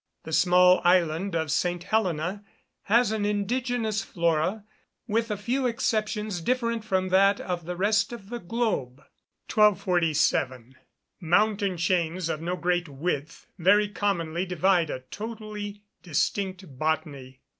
The small island of St. Helena has an indigenous flora, with a few exceptions different from that of the rest of the globe. 1247. Mountain chains of no great width very commonly divide a totally distinct botany.